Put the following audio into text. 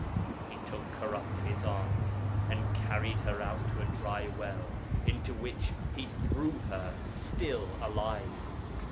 He took her up in his arms, and carried her out to a dry well, into which he threw her still alive.